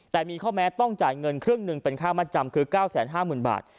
แต่มีข้อแม้ต้องจ่ายเงินครึ่งหนึ่งเป็นค่ามัดจำคือ๙๕๐๐๐บาท